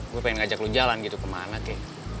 gue pengen ajak lo jalan gitu kemana ki